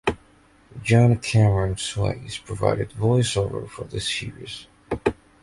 John Cameron Swayze provided voice-over for the series.